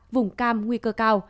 vùng cam nguy cơ cao